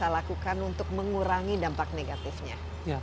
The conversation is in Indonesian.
apa yang kita lakukan untuk mengurangi dampak negatifnya